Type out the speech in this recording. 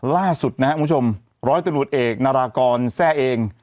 ล่าสุดนะครับคุณผู้ชมร้อยตำรวจเอกนารากรแทร่เอง